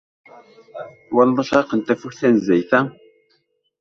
Twalaḍ acraq n tafukt tanezzayt-a?